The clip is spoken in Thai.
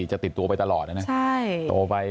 จะติดตัวไปตลอดนะนะโตไป